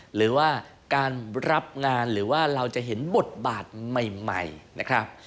หรือว่าการรับงานหรือว่าเราจะเห็นบทบาทใหม่นะครับ